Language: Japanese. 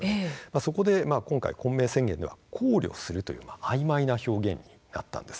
そこで今回、昆明宣言では考慮するというあいまいな表現になったんです。